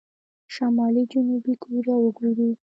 شمالي جنوبي کوريا وګورو.